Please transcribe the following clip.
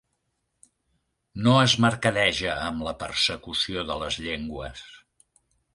No es mercadeja amb la persecució de les llengües.